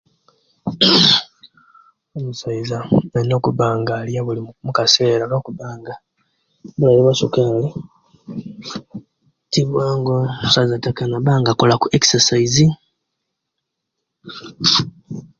Omusaiza olina okuba nga alya mukasera kubanga sukali timwangu omusaiza ataka naba nga akolaku exercise